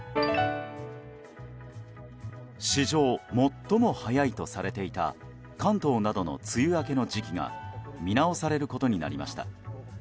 史上最も早いとされていた関東などの梅雨明けの時期が見直されることになりました。